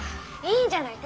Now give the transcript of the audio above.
いいじゃない。